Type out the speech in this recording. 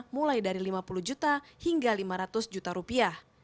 mulai dari lima puluh juta hingga lima ratus juta rupiah